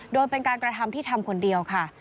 โดยเป็นการกระทำที่ทำคนเดียวค่ะ